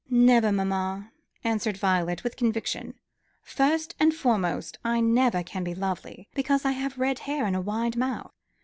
"Never, mamma," answered Violet with conviction. "First and foremost, I never can be lovely, because I have red hair and a wide mouth.